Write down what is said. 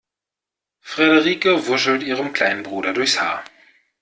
Frederike wuschelt ihrem kleinen Bruder durchs Haar.